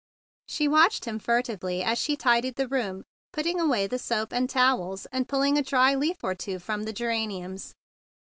She watched him furtively as she tidied the room, putting away the soap and towels, and pulling a dry leaf or two from the ge¬ raniums.